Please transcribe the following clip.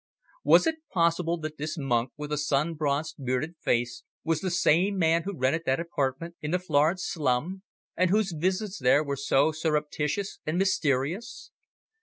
Was it possible that this monk with the sun bronzed, bearded face was the same man who rented that apartment in the Florence slum, and whose visits there were so surreptitious and mysterious?